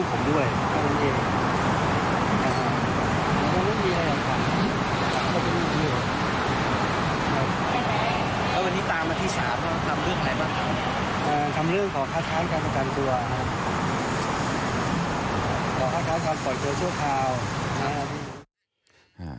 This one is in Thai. ขอคัดค้านการปล่อยเจอชั่วคราว